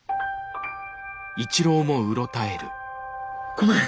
ごめん。